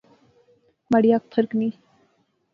مہاڑی اکھ پھرکنی